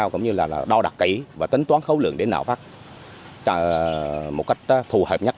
cũng như là đo đặt kỹ và tính toán khấu lượng để nạo phát một cách phù hợp nhất